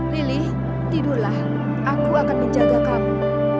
lili tidurlah aku akan menjagakanmu